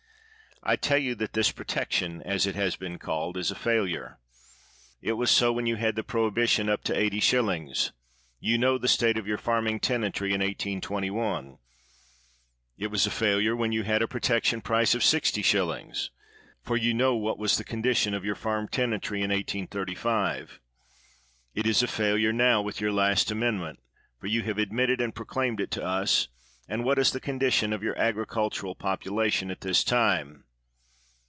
I tell you that this "Protection," as it has been called, is a failure. 174 COBDEN It was so when you had the prohibition up to 8O5. You know the state of your farming ten antry in 1821. It was a failure when you had a protection price of 60s., for you know what was the condition of your farm tenantry in 1835. It is a failure now with your last amendment, for you have admitted and proclaimed it to us; and what is the condition of your agricultural population at this time?